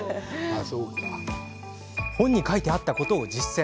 本に書いてあったことを実践。